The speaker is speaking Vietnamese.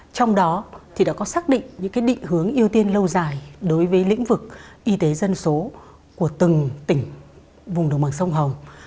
trong đó thì đã có xác định những định hướng ưu tiên lâu dài đối với lĩnh vực y tế dân số của từng tỉnh vùng đồng bằng sông hồng